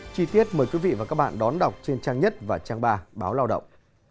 chi tiết mời quý vị và các bạn đón đọc trên trang nhất và trang ba báo lao động